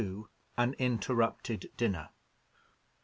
AN INTERRUPTED DINNER.